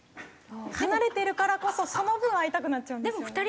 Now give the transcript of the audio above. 離れてるからこそその分会いたくなっちゃうんですよね。